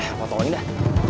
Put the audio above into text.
eh foto aja dah